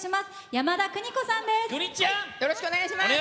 山田邦子さんです！